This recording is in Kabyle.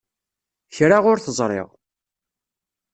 Kra ur t-ẓriɣ.